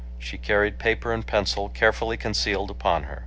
She carried paper and pencil carefully concealed upon her.